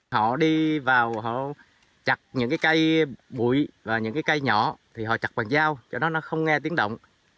họ đi vào họ chặt những cái cây bụi và những cái cây nhỏ thì họ chặt bằng dao cho nó không nghe tiếng động